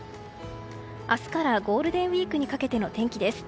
明日からゴールデンウィークにかけての天気です。